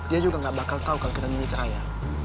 dia juga gak bakal tau kalo kita nyuruh raya